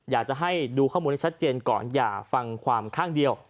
อยากจะให้ดูข้อมูลให้ชัดเจนก่อนอย่าฟังความข้างเดียว